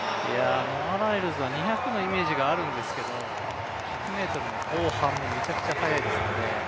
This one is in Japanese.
ノア・ライルズは２００のイメージがあるんですけど、１００ｍの後半もめちゃくちゃ速いですからね。